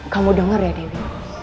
kamu denger ya dewi